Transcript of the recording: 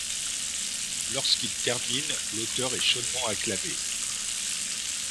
Lorsqu'il termine, l'auteur est chaudement acclamé.